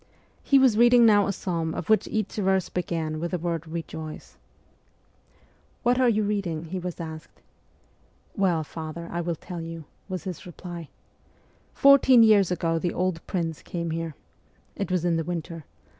He was reading now a psalm of which each verse began with the word ' rejoice.' ' What are you reading ?' he was asked. ' Well, father, I will tell you,' was his reply. * Four teen years ago the old prince came here. It was in the winter.